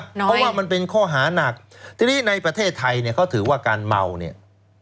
เพราะว่ามันเป็นข้อหานักทีนี้ในประเทศไทยเนี่ยเขาถือว่าการเมาเนี่ย